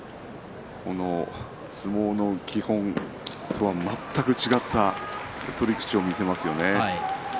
相撲の基本とは全く違った取り口を見せますよね。